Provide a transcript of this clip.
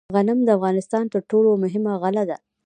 غنم د افغانستان تر ټولو مهمه غله ده.